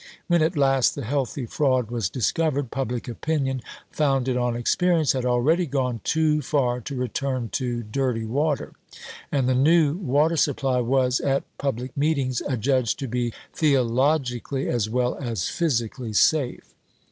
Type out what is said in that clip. When at last the healthy fraud was discovered, public opinion, founded on experience, had already gone too far to return to dirty water. And the new water supply was, at public meetings, adjudged to be "theologically as well as physically safe."